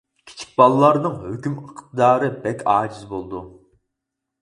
كىچىك بالىلارنىڭ ھۆكۈم ئىقتىدارى بەك ئاجىز بولىدۇ.